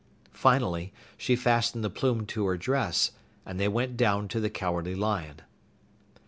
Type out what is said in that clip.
Finally, she fastened the plume to her dress, and they went down to the Cowardly Lion.